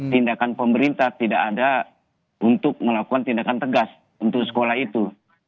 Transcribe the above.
tindakan pemerintah tidak ada untuk melakukan tindakan tegas untuk sekolah itu